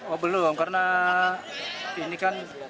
oh belum karena ini kan belum ada headcoat nya kan